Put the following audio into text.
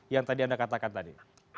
yang tadi anda katakan tadi